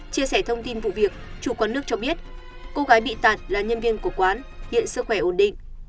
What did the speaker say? chia sẻ thông tin vụ việc chủ quán nước cho biết cô gái bị tạt là nhân viên của quán hiện sức khỏe ổn định